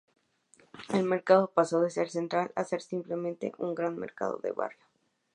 El mercado pasó de ser "Central" a ser simplemente un gran mercado de barrio.